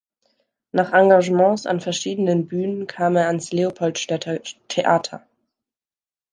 Nach Engagements an verschiedenen Bühnen kam er ans Leopoldstädter Theater.